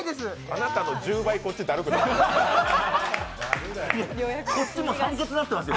あなたの１０倍、こっちだるくなってます。